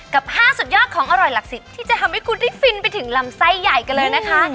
กับ๕สุดยอดของอร่อยหลักสิบที่จะทำให้คุณได้ฟินไปถึงลำไส้ใหญ่กันเลยนะคะ